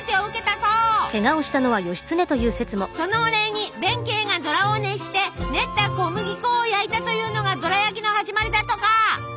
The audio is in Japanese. そのお礼に弁慶がどらを熱して練った小麦粉を焼いたというのがどら焼きの始まりだとか。